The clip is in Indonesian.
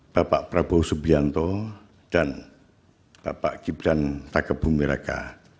bapak prabowo subianto dan bapak gibran raka bumi raka